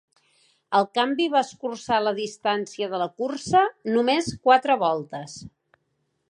El canvi va escurçar la distància de la cursa només quatre voltes.